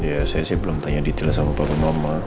ya saya sih belum tanya detail sama pak roma